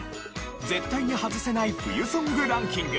絶対にハズせない冬ソングランキング。